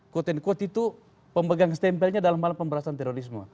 quote unquote itu pemegang stempelnya dalam hal pemberantasan terorisme